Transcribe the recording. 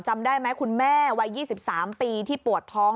จำได้ไหมคุณแม่วัย๒๓ปีที่ปวดท้อง